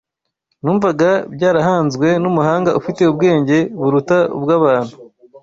Numvaga byarahanzwe n’umuhanga ufite ubwenge buruta ubw’abantu